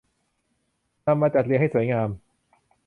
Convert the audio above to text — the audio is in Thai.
นำมาจัดเรียงให้สวยงาม